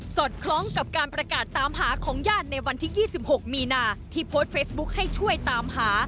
อดคล้องกับการประกาศตามหาของญาติในวันที่๒๖มีนาที่โพสต์เฟซบุ๊คให้ช่วยตามหา